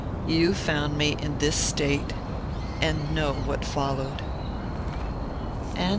You found me in this state, and know what followed."